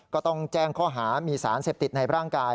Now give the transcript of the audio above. ก็ต้องแจ้งข้อหามีสารเสพติดในร่างกาย